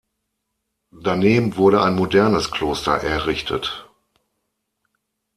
Daneben wurde ein modernes Kloster errichtet.